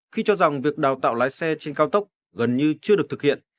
khi cho rằng việc đào tạo lái xe trên cao tốc gần như chưa được thực hiện